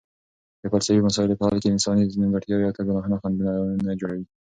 د فلسفي مسایلو په حل کې انساني نیمګړتیاوې او ګناهونه خنډونه جوړوي.